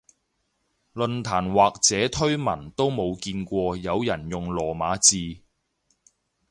論壇或者推文都冇見過有人用羅馬字